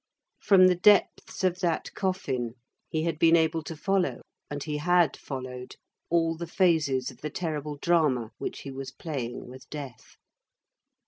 From the depths of that coffin he had been able to follow, and he had followed, all the phases of the terrible drama which he was playing with death.